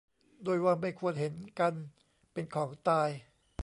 ด้วยว่าไม่ควรเห็นกันเป็นของตาย